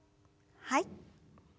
はい。